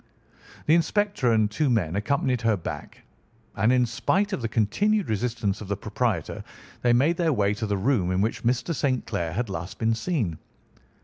The inspector and two men accompanied her back, and in spite of the continued resistance of the proprietor, they made their way to the room in which Mr. St. Clair had last been seen.